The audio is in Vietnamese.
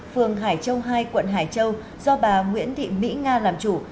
phường hải châu hai quận hải châu do bà nguyễn thị mỹ nga làm chủ